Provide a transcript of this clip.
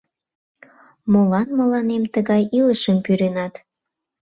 Молан мыланем тыгай илышым пӱренат?